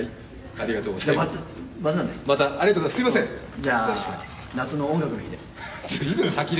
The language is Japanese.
またね、夏の「音楽の日」で。